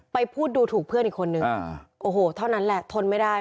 พูดดูถูกเพื่อนอีกคนนึงโอ้โหเท่านั้นแหละทนไม่ได้